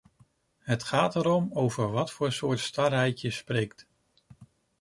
Het gaat erom over wat voor soort starheid je spreekt.